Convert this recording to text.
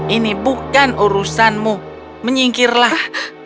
ini bukan urusanmu menyingkirlah